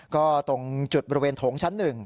ก็ตรงจุดบริเวณโถงชั้น๑